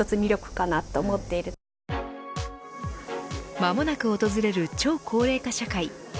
間もなく訪れる超高齢化社会